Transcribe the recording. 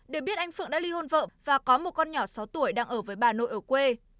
để biết anh phượng đã ly hôn vợ và có một con nhỏ sáu tuổi đang ở với bà nội ở quê